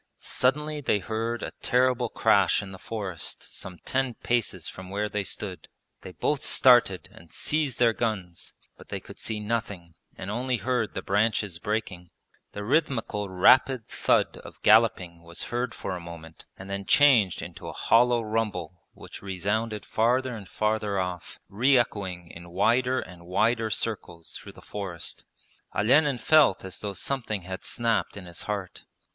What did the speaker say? Suddenly they heard a terrible crash in the forest some ten paces from where they stood. They both started and seized their guns, but they could see nothing and only heard the branches breaking. The rhythmical rapid thud of galloping was heard for a moment and then changed into a hollow rumble which resounded farther and farther off, re echoing in wider and wider circles through the forest. Olenin felt as though something had snapped in his heart.